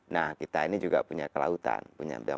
nah kita ini juga punya kelautan